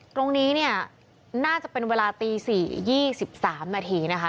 ตรงนี้เนี่ยน่าจะเป็นเวลาตี๔๒๓นาทีนะคะ